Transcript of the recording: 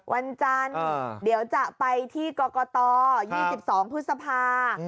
วันจันทร์เดี๋ยวจะไปที่กรกต๒๒พฤษภา